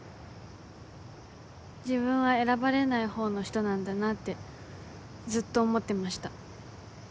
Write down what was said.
自分は選ばれないほうの人なんだなってずっと思ってました。